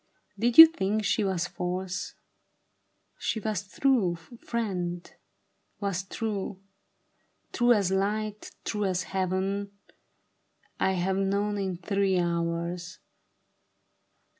" Did you think she was false ? She was true, friend, was true ; true as light, true as Heaven, I have known it three hours.